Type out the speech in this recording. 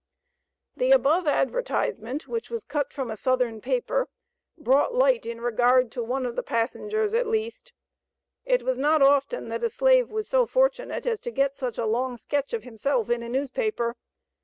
The above advertisement, which was cut from a Southern paper, brought light in regard to one of the passengers at least. It was not often that a slave was so fortunate as to get such a long sketch of himself in a newspaper.